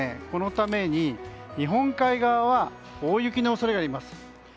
このために、日本海側は大雪の恐れがあります。